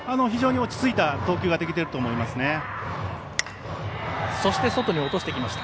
非常に落ち着いた投球ができていると思いますね。